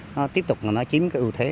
nó tiếp tục nó chiếm cái ưu thế